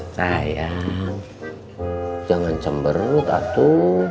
sayang jangan cemberut atu